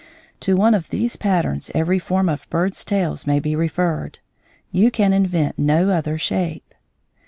To one of these patterns every form of birds' tails may be referred; you can invent no other shape.